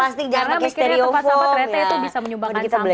karena mikirnya tempat sampah terete itu bisa menyumbangkan sampah